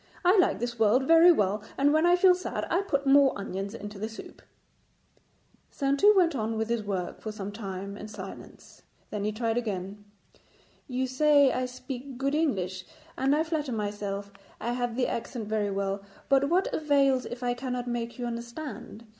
I like this world very well, and when I feel sad I put more onions into the soup.' Saintou went on with his work for some time in silence, then he tried again. 'You say I speak good English, and I flatter myself I have the accent very well, but what avails if I cannot make you understand?